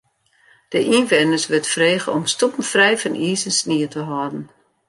De ynwenners wurdt frege om stoepen frij fan iis en snie te hâlden.